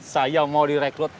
saya mau direkrut